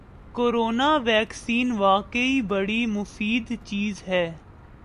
corona vaccine واقعی بڑی مفید چیز ہے